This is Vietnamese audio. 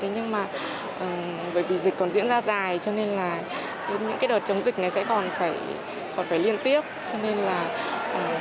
nhưng mà bởi vì dịch còn diễn ra dài cho nên là những cái đợt chống dịch này sẽ còn phải liên tiếp cho nên là chúng em cũng lên đường sớm để mong